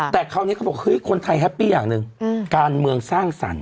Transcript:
แต่คราวนี้เขาบอกเฮ้ยคนไทยแฮปปี้อย่างหนึ่งการเมืองสร้างสรรค